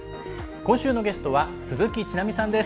今週のゲストは鈴木ちなみさんです。